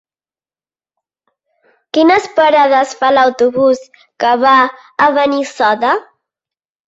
Quines parades fa l'autobús que va a Benissoda?